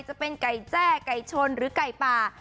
จะเป็นไก่แจ้ไก่ชนหรือไก่ป่า